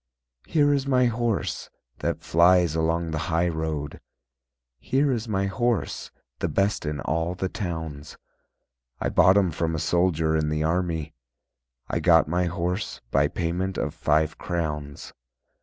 "Here is my horse That flies along the high road, Here is my horse, The best in all the towns. I bought him from A soldier in the army, I got my horse By payment of five crowns."